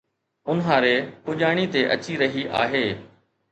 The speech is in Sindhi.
اونهاري پڄاڻي تي اچي رهي آهي